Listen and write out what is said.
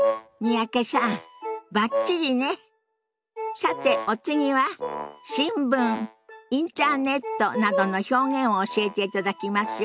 さてお次は「新聞」「インターネット」などの表現を教えていただきますよ。